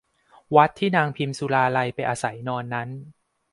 วัดที่นางพิมสุราลัยไปอาศัยนอนนั้น